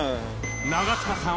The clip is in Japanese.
・長塚さん